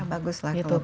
baguslah kalau begitu